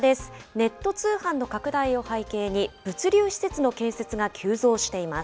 ネット通販の拡大を背景に、物流施設の建設が急増しています。